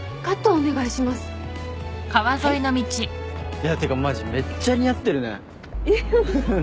いやてかマジめっちゃ似合ってるね。